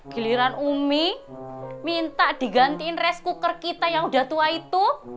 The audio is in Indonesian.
giliran umi minta digantiin rice cooker kita yang udah tua itu